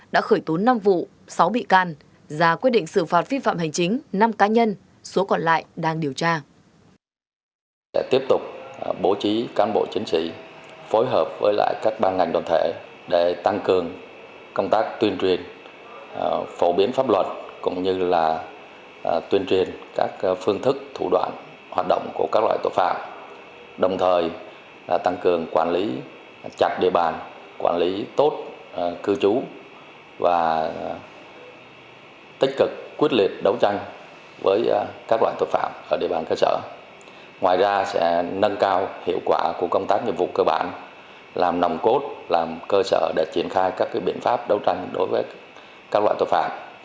đã khởi tốn năm vụ sáu bị can và quyết định xử phạt vi phạm hành chính năm cá nhân số còn lại đang điều tra